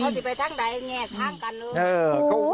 แล้วเขาจะไปทางไหนแยกทางกันเลย